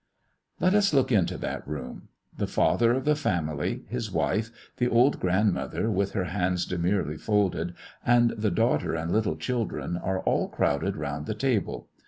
Let us look into that room. The father of the family, his wife, the old grandmother, with her hands demurely folded, and the daughters and little children, are all crowded round the table.